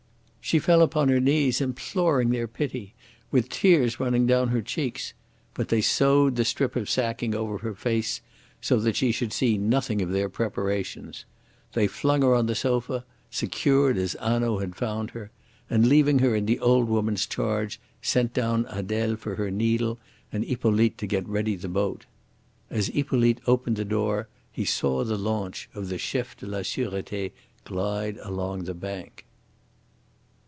She fell upon her knees, imploring their pity with the tears running down her cheeks; but they sewed the strip of sacking over her face so that she should see nothing of their preparations. They flung her on the sofa, secured her as Hanaud had found her, and, leaving her in the old woman's charge, sent down Adele for her needle and Hippolyte to get ready the boat. As Hippolyte opened the door he saw the launch of the Chef de la Surete glide along the bank.